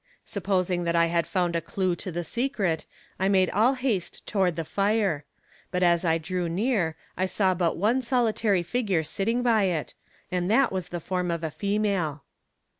Supposing that I had found a clue to the secret, I made all haste toward the fire; but as I drew near I saw but one solitary figure sitting by it, and that was the form of a female.